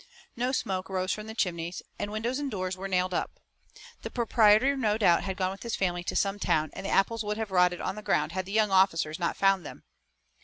No smoke rose from the chimneys, and windows and doors were nailed up. The proprietor no doubt had gone with his family to some town and the apples would have rotted on the ground had the young officers not found them.